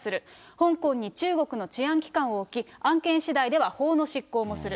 香港に中国の治安機関を置き、案件しだいでは法の執行もする。